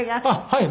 はい。